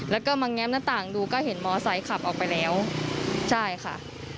แล้วก็มาแง้มหน้าต่างดูก็เห็นมอไซค์ขับออกไปแล้วใช่ค่ะ